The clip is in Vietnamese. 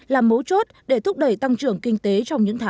là mấu chốt để thúc đẩy tăng trưởng